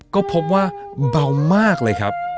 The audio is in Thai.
ก็พบว่าเบามากเลยครับ